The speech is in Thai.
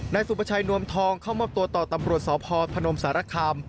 นายสุประชัยนวมทองเข้ามอบตัวต่อตำรวจสพพนมสารคาม